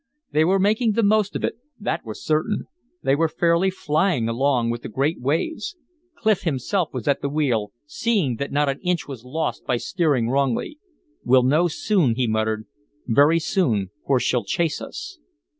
They were making the most of it, that was certain; they were fairly flying along with the great waves. Clif himself was at the wheel, seeing that not an inch was lost by steering wrongly. "We'll know soon," he muttered. "Very soon, for she'll chase us."